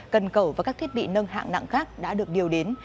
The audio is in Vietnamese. cần cầu và các thiết bị nâng hạng nặng khác đã được điều đến